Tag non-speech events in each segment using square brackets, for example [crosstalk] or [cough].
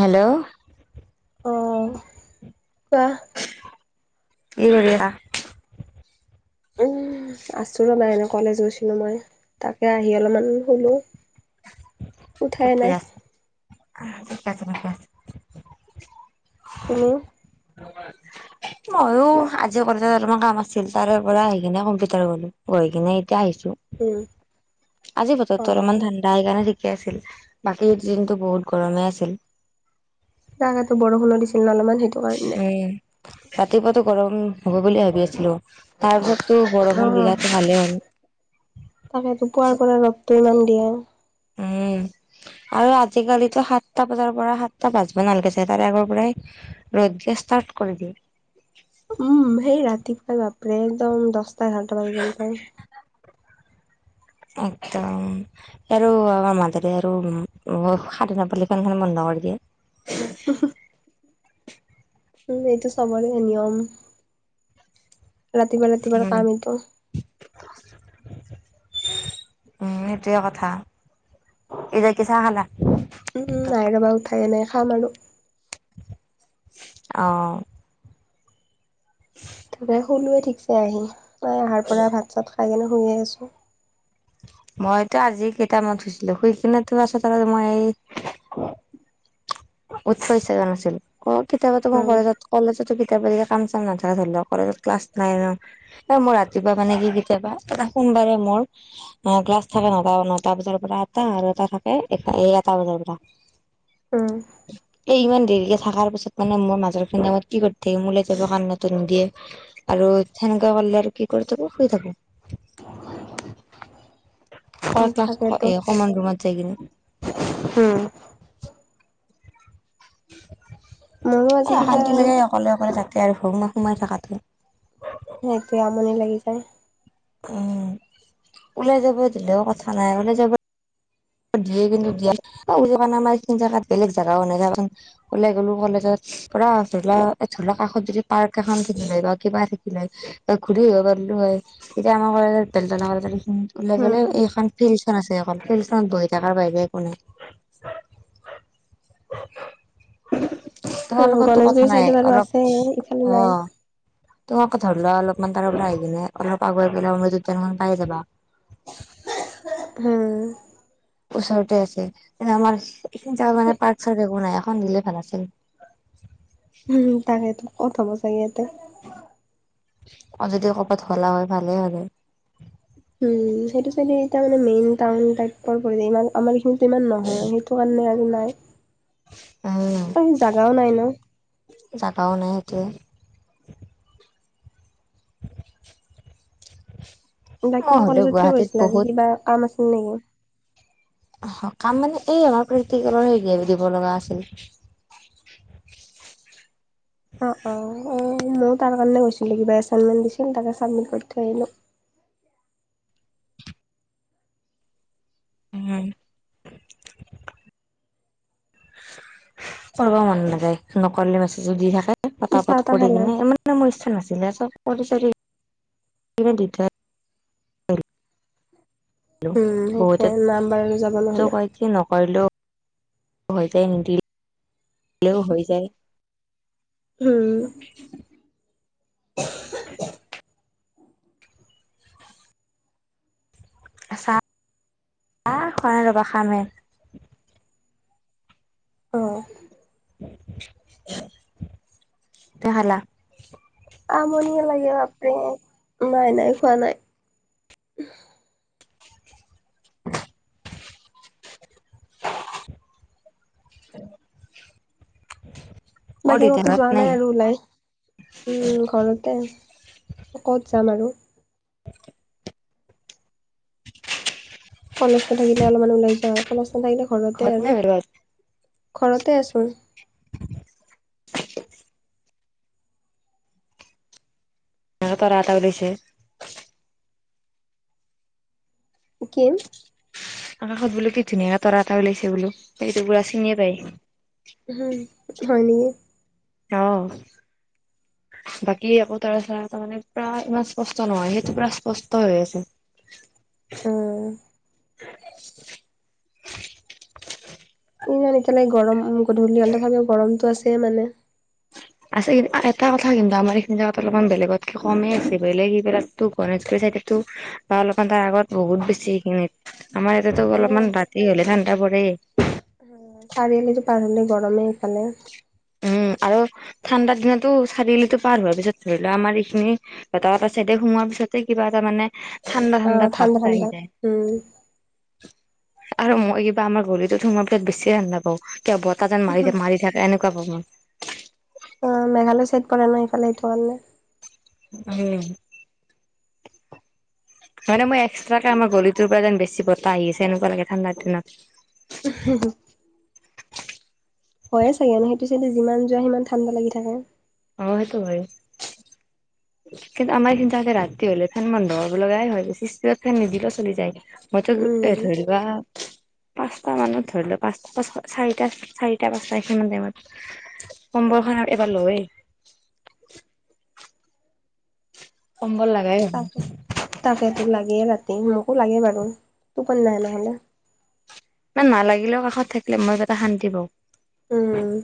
Hello. অঁ, কোৱা। কি কৰি আছা? উম, আছো ৰবা এনে কলেজ গৈছিলো মই, তাকে আহি অলপমান শুলো। উঠাই নাই। ছে [unintelligible] তুমি অ [unintelligible] ময়ো আজি কলেজত অলপমান কাম আছিল, তাৰে পৰা আহি কিনে কম্পিউটাৰ গ'লো, গৈ কিনে এতিয়া আহিছো, উম আজি অ বতৰটো অলপমান ঠাণ্ডা, সেইকাৰণে ঠিকে আছিল, বাকী দিনটো বহুত গৰমে আছিল। তাকেটো বৰষুণ দিছিল ন' অলপমান সেইটো কাৰণে। উম। ৰাতিপুৱাতো গৰম হ'ব বুলি ভাবি আছিলো, তাৰ পিছততো বৰষুণ দিলাটো ভালেই হ'ল। তাকেটো পুৱাৰ পৰা ৰ'দটো ইমান দিয়ে। উম। আৰু আজিকালিতো সাতটা বজাৰ পৰা, সাতটা বাজব এ নালাগে চাগে তাৰে আগৰ পৰাই ৰ'দ দিয়া ষ্টা ষ্টাৰ্ট কৰি দিয়ে। উম, সেই ৰাতিপুৱাই বাপৰে একদম দহটা এঘাৰটা বাজা যেন পায়। এক্দম আৰু আমাৰ মাজৰে আৰু সাধনা পালিখন খ বন্ধ [unintelligible] পগে [unintelligible] [unintelligible] উম, এইটো সবৰে নিয়ম। ৰাতিপুৱা ৰাতিপুৱাৰ উম কাম এইটো। উম, এইটোৱে কথা, এতিয়া কি চাহ খালা? উম নাই কাৰোবাৰ উঠাইে নাই খাম আৰু অঁ। তে শুলোৱে ঠিকছে, তই আহাৰ পৰা ভাত চাত খাই কিনে শুইয়ে আছো। মইতো আজি কেইটামানত শুইছিলো, শুই কিনে তো পাছত মই [unintelligible] উঠিব ইচ্ছা যোৱা নাছিল, অ' কেতিয়াবাটো মই উম কলেজত কলেজো কেতিয়াবা যদি কাম চাম নাথাকে ধৰি লওক কলেজত ক্লাছ নাই ন' এ, মই ৰাতিপুৱা মানে কি কেতিয়াবা এ সোমবাৰে মোৰ অ'ক্লাছ থাকে নটা নটা বজাৰ পৰা আঠটাত আৰু এটা থাকে এটা বজাৰ পৰা। [unintelligible] উম। ইমান দেৰিকে থাকাৰ পিছত মানে মোৰ মাজৰ খিনি সময়ত কি কৰি থাকিম উলাই যাব কাৰণে টো নিদিয়ে আৰু থেন গা বালল আৰু কি কৰি থাব শুই থাব [inaudible] ক ক্লাছ তাকেতো এ কমান ৰুমত যাই কিনে হম মোৰো আজি কিবা অশান্তি লকে অকলে অকলে তাকে আৰু ভ মা উমৰ থকাাট স ত আমনি লাগি যায় উম ওলাই যাব দিলেও কথা নাই ওলাই যাব দিয়ে কিন্তু দিয় আমাৰ এই জোত বেলেগ জেগাও নাইখন ওলাই গ'লো কলেজত পুৰা ধৰি লোৱা ধৰি লক কাষত যদি পাৰ্ক এখন কিনি লয় বা কিবা থাকিলে বা ঘূৰি আহ প তেতিয়া আমাৰ কলে বেল ওল গ'লে উম এইখন ফিল্খন আছে সখন ফিলড ত বহি থাককাৰ পাই যায় কো নাই তোহমাৰ লগতো কথা গণেশগুৰি নাই চাইডত আৰু অলপ আছে ইফালে অ নাই। তোম আকৌ ধৰি লোৱা অলপমান তাৰ পৰা আহি কিনে অলপ আগুৱাই পেলাই অমৃত উদ্যানখন পাইে যাবা হম ওচৰতে আছে আমাৰ এইিন মানে পাৰ্ক চাৰক একো নাই এখন দিলে ভাল আছিল উম তাকেইেতো কত হ'ব চাগে ইয়াতে অ যদি কৰবাত হলা হয় ভালেই হয় উম সেইটো চ মানে মেইন টান টাইপৰ ইমান আমাৰ এইখিনিতো ইমান নহয় সেইটো কাৰণে মনে আৰু নাই উম আৰু জাগাও নাই ন জাগাও নাই এতিয়ে [inaudible] হয় বাকী হ'লেও কলেজত কিয় গুৱাহাটীত গৈছিল আজি বহুত কিবা কাম আছিল নেকি স কাম মানে এই আমাৰ প্ৰেক্টিকেলৰ হেৰি দিব লগা আছিল [inaudible] অ অ অ ময়ো তাৰ কাৰণে গৈছিলো কিবা এচাইনমেণ্ট দিছিল তাকে চাবমিট কৰি থৈ আহিলোঁ হয় উম কৰিব মন নাযায় নকলে মাছদি থাকে কত চাহ পাত তাহ কৰি খালা কিনে ইমানে মোৰ ইচ্ছা নাছিলে চব অ দে চাৰিট উম সেইটোৱে বহুতে নাম্বাৰ যাব নহ'লে ক কি নকৰিলো হৈ যায় নিদিলেও হৈ যায় উম চাহ শ ৰবা খামেৰ অ দেহলা আমনিয়ে লাগে বাপে নাই নাই খোৱা নাই [inaudible] [inaudible] অ বাকী দেউতা কতো ঘৰত যোৱা নাই আৰু ওলাই উম ঘৰতে ক'ত যাম আৰু [inaudible] কলেজ নাথাকিলে অলপমান ওলাই যা আৰু কলেজ নাথাকিলে ঘৰতে ঘৰত আৰু নাই বেলেগত ঘৰতে আছো এ ত ৰা তক দেছে কিম আকাশত বোলো কি ধুনীয়াকে তৰা এটা লাইছে বোলো সেইটো পুৰা চিনিয় পায় হম হয় নেকি। আহ। বাকী একো তাৰ চ তাৰ মানে পৰা ইমান স্পষ্ট নহয় সেইটো পুৰা স্পষ্ট হৈ আছে। ওম। ইমান একতিলগে গৰম গধূলি তথাপিও গৰমতটো আছেই মানে। আছে কিন্তু এটা কথা কিন্তু আমাৰ এইখিনি অলপমান বেলেগতকে কমেই আছে বলেগ স ত বা অলপমান তাৰ আগত বহুত বেছি সেখিনিত আমাৰ ইয়াতেতো অলপমান ৰাতি হলে ঠাণ্ডা বৰ ৰে। চাৰিআলি যে পাৰ হ'লে গৰমে এইফালে। উম আৰু ঠাণ্ডাৰ দিনতো চাৰিআলিতো পাৰ হোৱাৰ পিছত ধৰি লোৱা আমাৰ এইখিনি এটা এটা চাইডে সোমোৱাৰ পিছতে কিবা মানে ঠাণ্ডা অ ঠাণ্ডা ভাৱ এ আহি ঠাণ্ডা যায়। উম আৰু মই কিবা আমাৰ গলিতো সোমাৱাৰ পিত বেছিয়ে ঠাণ্ডা পাও কিয় বতাহাজান মাৰি মাৰি থাকে এনে কাপ ম [inaudible] অ মেঘালয় চাইদ প ন ইফালে এইটো ন [unintelligible] উম,। [inaudible] মানে মই এক্সট্ৰাকে আমাৰ গলিটোৰ পৰা যেন বেছি বতাহ আহি আছে এনেকুৱা লাগে ঠাণ্ডাৰ দিনত। উহুহু। হয়য়ে চাগোন সেইটো চাইদে যিমান যোৱা সিমান ঠাণ্ডা লাগি থাকে। অ' সেইটো হয়। কিন্তু আমাৰ এইন্ত আগে ৰাতি হলে ফেন বন্ধ হ'ব লগাই হয় বেছিত ফেন নিদিলে চলি যায়। মতে উম এ ধৰিবা [inaudible] পাঁচ মানত ধৰিলোৱা পাচ- পাচ চাৰি- চাৰিটা পাচটা এই খিনিমান টাইমত এবাৰ লয়েই [inaudible] কম্বল লগাই হ লাগেই ৰাতি মোকো লাগেই বাৰু টোপনি নাই নহ'লে। মানে নালাগিলেও কাষত থাকিলে মই এটা শান্তি পওঁ। উম,।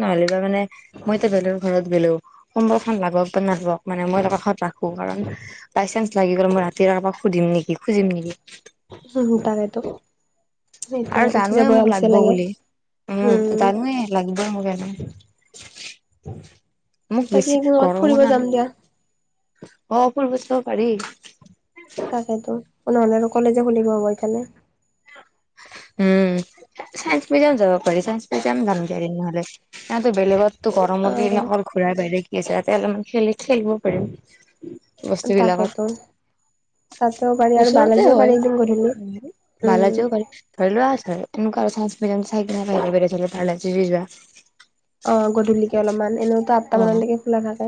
নহলেবা মানে মই এতিয়া বেলেগৰ ঘৰত গ'লো কিম্বলখন লাগক বা নালাওক মানে মই কাষত ৰাখো কাৰণ বাই চানস লাগি গল মই ৰাতি কাৰবাক সুধিম নেকি খুজিম নেকি। তাকেতো এতিয়া আৰু উঠি জানোৱে যাব মোক আলচিয়া লাগব লাগে বুলি উম জানোৱে লাগিব মোক মোক বাকী বেছি এদিন ক'ৰবাত গৰমো ফুৰিব যাম দিয়া নালাগ অ' পব পাৰি। তাকেেতো ননেহলে আৰু কলেজে খুলিব হ'ব এফালে। উম চাইন্স মিউজিয়াম যাব পাৰি চায়স মিউজিয়াম যামগ নহ'লে সিহতো বেলেগত তো গৰমত অ দ অকল ঘূৰাই বাহৰে কি আছে তেতি অললে মমান খেলি খেলিব পাৰিম। বস্তু বিলাকত তাকেটো। তাতেও পাৰি আৰু ওচৰতে বালাজীও হয়। পাৰি একদিন ঘূৰিলো বালাজীও উম। পাৰি ধৰি লোৱা এনেকুৱা আৰু চাই চাই কি যোৱা [unintelligible] অ' গধূলিকে অলপমান এনেওতো আঠটা অ'। মানলৈকে খোলা থাকে।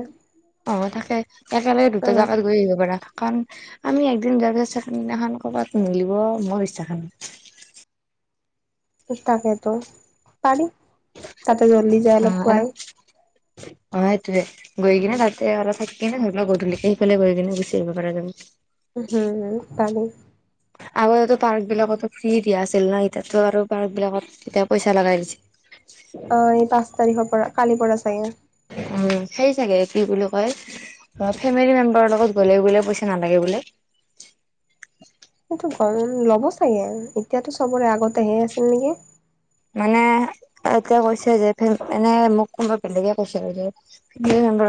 অ' তাকে একেলগে অ দুটা জেগাত গৈ আহিব পাৰা কাৰণ আমি একদিন যোৱাৰ পিছত চেকেনদদিনাখন কৰ'বাত মিলিব মই বিশ্বাস নাই। তাকেতো পাৰি তাতে জল্লি যায় অ অলপ আৰু পোৱাই অ' সেইটোয়ে গৈ কিনে তাতে অলপ থাকি কিনে ধৰি লওক গধূলি সেইফালে গৈ কিনে গুচি আহব পৰা যাব। হম পাৰি আগতে পাৰ্ক বিলাকতো ফ্ৰী দিয়া আছিল না এতিতো আৰু পাৰ্ক বিলাকত এতিয়া পইচা লগাই হৈছে। অ' এই পাঁচ তাৰিখৰ পৰা কালিৰ পৰা চাগে। উম, সেই চাগে কি বুলি কয় অ, ফেমিলি মেম্বাৰৰ লগত গ'লে বোলে পইচা নালাগে বোলে। সেইটো গম ল'ব চাগে এতিয়াতো চবৰে আগতে লৈ আছিল নেকি। মানে এতিয়া কৈছে যে এনে মোক কোনোবা বেলেগে কৈছিল যে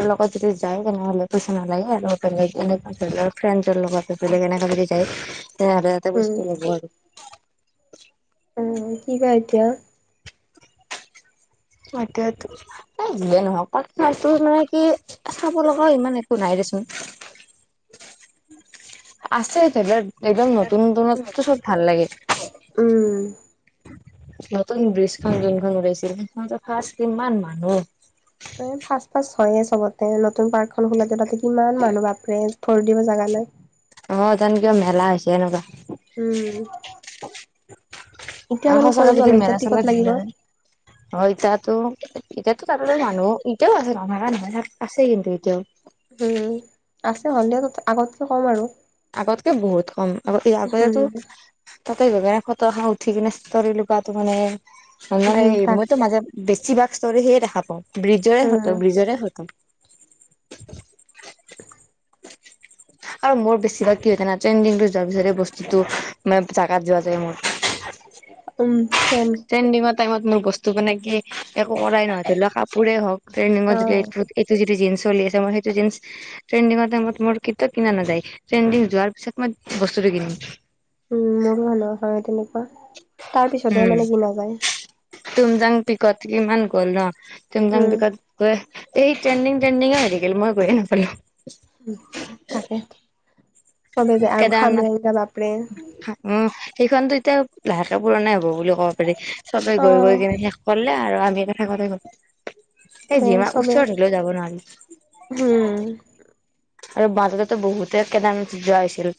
লগত যদি যায় তেনেহলে পইচা নালাগে আৰু ফ্ৰে লগত আছিলে কেনে তেলে এটা উম বস্তু ল'ব আৰু। উম, কি বা এতিয়া? এতিয়ো দিয়ে নহক পটো মানে কি চাব লগাও ইমান শো নাই দেচোন আছে ধৰিবাৰ একদম নতুন, নতুনত্ব চব ভাল লাগে। উম নতুন ব্ৰিজখন যোনখন লাইছিল সখন ফাৰ্ষ কিমান মানুহ হয়য়ে চবতে নতুন পাৰ্কখনন খোলা য তাতে কিমান মানুহ বাপৰে ধৰি দিব জোগালৈ। অ, তন কিয় মেলা হৈছে এনেকুৱা? উম। এতিয়া বাৰু আৰু সচাকৈ কৰিব যদিন এতিয়া মেৰা টিকট চলা লাগিব দ হয়তাতো এতিয়াাতো তাত মানুহ এতিয়াও আছে না নহয় তাত আছে কিন্তু এতিয়াও উম, আছে হ'লে আগতকে ক'ম আৰু আগতকে বহুত কম আগ এই আগতে উম তাতেই ব ফত খা উঠি কিনেৰি লগটো মানে হম, সেই তাক মইতো মাজে বেছিভাগ ষ্টোৰী সিয়ে দেখা পাওঁ ব্ৰিজৰে সত, উম ব্ৰিজৰে হতম। আৰু মোৰ বেছি কিবা কি ন ট্ৰেণ্ডিংটো যোৱাৰ পিছতে বস্তুতটো মানে জাগাত যোৱা যায় মোৰ উম। চেম ট্ৰেণ্ডিঙাট টাইমত মোৰ বস্তু বনাই কি একো কৰাই নহয় ধৰি লও কাপোৰে হওক ট্ৰেণ্ডিঙ অ এইটো যিটো জিন মোৰ কেতিয়াও কিনা কি নম উম, মোৰো মানুহ হয়। তেনেকুৱা তাৰ পিছতহে উম মানে কিনা যায়। তুমজাং পিকত কিমান গ'ল ন, তম যং উম পকত গৈ এই ট্ৰেণ্ডিং, ট্ৰেণ্ডিঙে হৈ থ, গিল মই গৈয়ে নাপালো। তাকে। চবে যায় আৰু খামৰেংগা বাপৰে কেদাৰনাথ উ সেইখনতো এতিয়া লাহেকে পুৰণাই হ'ব বুলি ক'ব পাৰি চবে গৈ, অ গৈ কিনে শেষ কৰিলে আৰু। সনেকে থাকোঁতে ম এই টোৱে যিমাৰ চবে ওচৰত হলেও যাব উম নোৱাৰি। আৰু বাজতেতো বহুতে কেদামচৰ আছিল।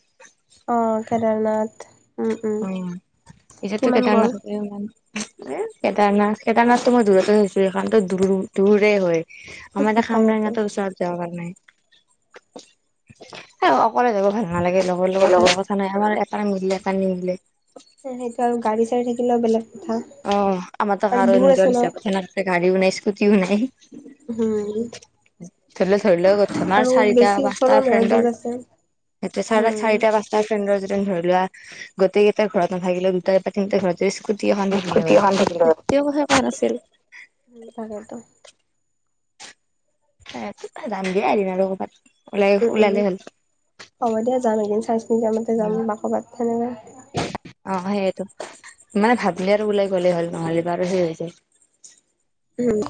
অ, কেদাৰনাথ। উম উম উ, এতিতো কিমান গ'ল কেডাৰনাথ [unintelligible] এ, কেদাৰনাথ, কেদাৰনাথটো মই দূৰতে থৈছো সেইখনতো দ-দূৰে হয়। আমাৰ এ, তাকেতো খামৰেঙাটোৰ ওচৰত যাব কাৰ নাই [inaudible] কলে থ ভাল নালাগে লগৰ, লগত ধ কথা নাই। আমাৰ এটা মিলে, এটা নিমিলে। সেইটো আৰু গাড়ী, চাডী থাকিলেও বেলেগ। কথা অ, আমাৰো আৰু কাৰ দূৰ আছে নিজৰ হিচাপ কথা নছে গাড়ীও নাই, স্কুটিও নাই। হম। ধৰিলে, ধৰি লও গথম আৰু চাৰিটা, ওচৰো পাঁচটা নহয় দূৰ ফ্ৰেণ্ডৰ আছে সেইটোয়া চাৰা উম চাৰিটা, পচটা ফ্ৰেড্ৰ যেতিয়া ধৰিলোৱা আৰু। গোটেইটা ঘৰত নাথাকিলে দুটাই বা তিনিটা ঘৰততে স্কুটি এখ স্কুটি এখন [unintelligible] থাকিলে হ'ল এতিয়াও কথা ভাল আছিল। উম তাকেতো এ, যাম দিয়ে আহম আৰু ক'ৰবাত। ওলাই উম, উম, ওলালে হ'ল। হ'ব দিয়া যাম এদিন চাই, চিনিতিমতে যাম উম, মাকবাত তেনেকুৱা। অ, সেইয়টো মানে ভাবিল আৰু ওলাই গ'লেই হ'ল নহ'লে বাৰ সেই হৈ যায়।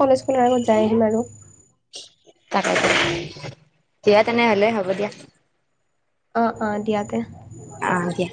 কলেজ খুলৰ আগত যাই আহিম আৰু। তাক দিয়া তেনেহলে হ'ব দিয়া। অ', অ' দিয়া। অ' দিয়া।